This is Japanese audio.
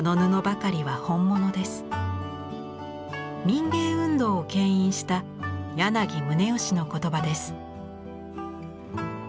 民藝運動を牽引した柳宗悦の言葉です。